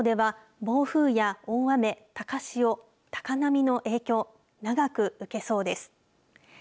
近畿地方では暴風や大雨、高潮、高波の影響、長く受けそうです。